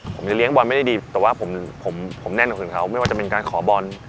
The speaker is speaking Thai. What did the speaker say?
ผมจะเลี้ยบอลไม่ได้ดีแต่ว่าผมแน่นกว่าคนอื่นเขาไม่ว่าจะเป็นการขอบอล